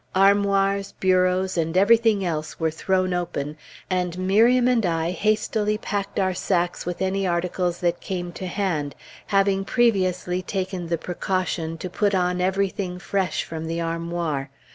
Armoirs, bureaus, and everything else were thrown open, and Miriam and I hastily packed our sacks with any articles that came to hand, having previously taken the precaution to put on everything fresh from the armoir.